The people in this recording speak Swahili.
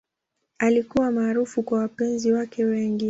Alikuwa maarufu kwa wapenzi wake wengi.